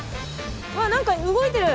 うわっ何か動いてる。